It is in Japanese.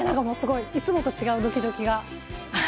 いつもと違うドキドキが。